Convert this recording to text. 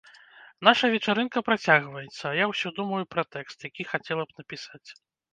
Наша вечарынка працягваецца, а я ўсё думаю пра тэкст, які хацела б напісаць.